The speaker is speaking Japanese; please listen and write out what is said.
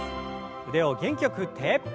腕を元気よく振って。